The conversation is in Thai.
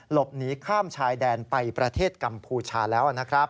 หลบหนีข้ามชายแดนไปประเทศกัมพูชาแล้วนะครับ